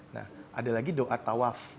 nah ada lagi doa tawaf